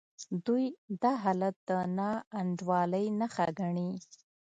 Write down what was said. دوی دا حالت د ناانډولۍ نښه ګڼي.